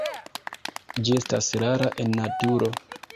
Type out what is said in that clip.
Ĝi estas rara en naturo.